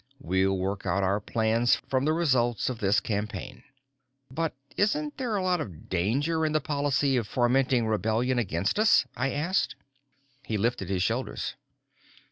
We'll work out our plans from the results of this campaign." "But isn't there a lot of danger in the policy of fomenting rebellion against us?" I asked. He lifted his shoulders.